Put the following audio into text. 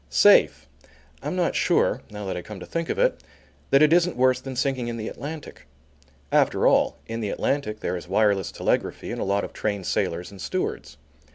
Safe! I'm not sure now that I come to think of it that it isn't worse than sinking in the Atlantic. After all, in the Atlantic there is wireless telegraphy, and a lot of trained sailors and stewards.